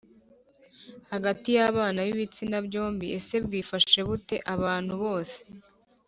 hagati y’abana b’ibitsina byombi. Ese bwifashe bute? Abantu bose